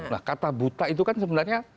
nah kata buta itu kan sebenarnya